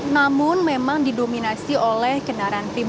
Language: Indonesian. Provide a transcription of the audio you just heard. namun memang didominasi oleh kendaraan yang melintas